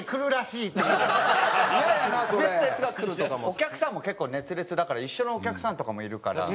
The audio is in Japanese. お客さんも結構熱烈だから一緒のお客さんとかもいるから。